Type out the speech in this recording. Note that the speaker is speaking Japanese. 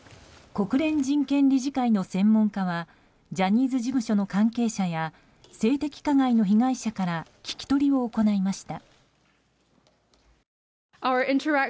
国連人権理事会の専門家はジャニーズ事務所の関係者や性的加害の被害者から聞き取りを行いました。